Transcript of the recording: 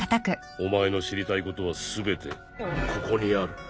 お前の知りたいことは全てここにある。